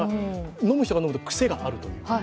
飲む人が飲むと癖があると。